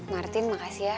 martin makasih ya